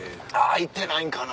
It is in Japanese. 開いてないんかな？